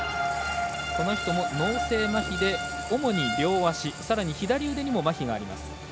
この人も脳性まひで、主に両足、さらに左腕にもまひがあります。